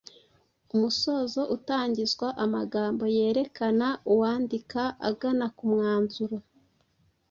Umusozo utangizwa amagambo yerekana uwandika aganakumwanzuro.